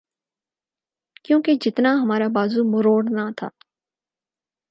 کیونکہ جتنا ہمارا بازو مروڑنا تھا۔